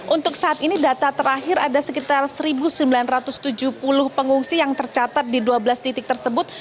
untuk saat ini data terakhir ada sekitar satu sembilan ratus tujuh puluh pengungsi yang tercatat di dua belas titik tersebut